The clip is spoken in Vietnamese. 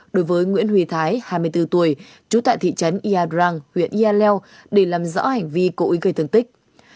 đối với nguyễn huy thái hai mươi bốn tuổi trú tại thị trấn yadrang huyện nghia leo để làm rõ hành vi cố ý gây thương tích